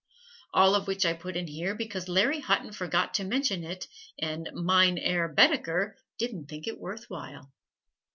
All of which I put in here because Larry Hutton forgot to mention it and Mein Herr Baedeker didn't think it worth while.